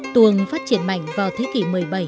tuồng phát triển mạnh vào thế kỷ một mươi bảy một mươi tám